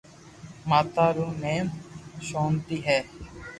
ماتا رو نيم ݾونتي ھي